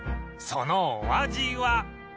そのお味は？